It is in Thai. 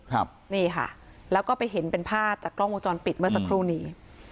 ครับนี่ค่ะแล้วก็ไปเห็นเป็นภาพจากกล้องวงจรปิดเมื่อสักครู่นี้